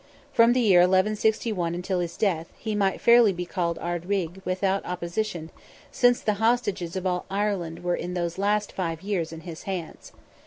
From the year 1161 until his death, he might fairly be called Ard Righ, without opposition, since the hostages of all Ireland were in those last five years in his hands.